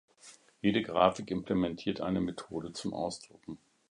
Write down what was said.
Jede Grafik implementiert eine Methode zum Ausdrucken.